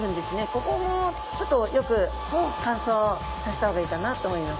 ここもちょっとよく乾燥させた方がいいかなと思います。